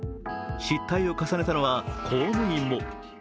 失態を重ねたのは公務員も。